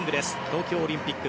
東京オリンピック